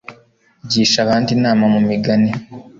gisha abandi inama mu migani